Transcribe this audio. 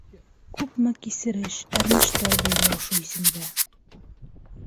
Күпме кисереш- әрнештәр бәйле ошо исемгә!